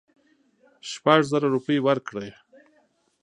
شپږزره روپۍ ورکړې.